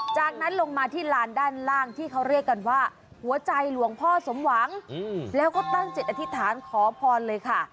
จากนั้นลงมาที่ลานด้านล่างที่เขาเรียกกันว่าหัวใจหลวงพ่อสมหวังแล้วก็ตั้งจิตอธิษฐานขอพรเลยค่ะ